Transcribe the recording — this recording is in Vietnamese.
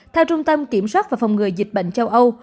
theo trung tâm kiểm soát và phòng ngừa dịch bệnh châu âu